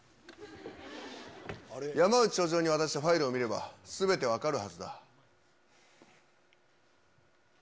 山内署長に渡したファイルを見れば、すべて分かるはずだ。